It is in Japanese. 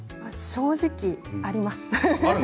正直あります。